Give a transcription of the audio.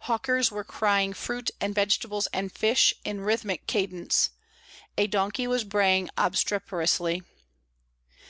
Hawkers were crying fruit and vegetables and fish in rhythmic cadence; a donkey was braying obstreperously.